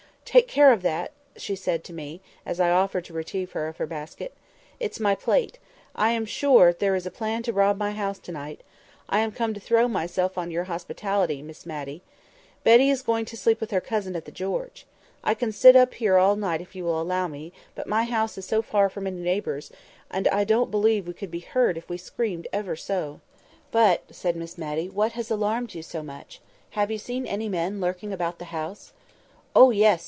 "Take care of that!" said she to me, as I offered to relieve her of her basket. "It's my plate. I am sure there is a plan to rob my house to night. I am come to throw myself on your hospitality, Miss Matty. Betty is going to sleep with her cousin at the 'George.' I can sit up here all night if you will allow me; but my house is so far from any neighbours, and I don't believe we could be heard if we screamed ever so!" "But," said Miss Matty, "what has alarmed you so much? Have you seen any men lurking about the house?" "Oh, yes!"